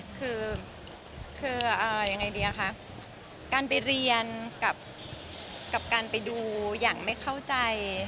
คือการไปเรียนกับการไปดูอย่างไม่เข้าใจ